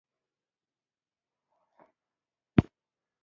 شیرینو تر شایه ناره پر وکړه.